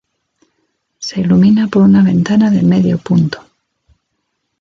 Se ilumina por una ventana de medio punto.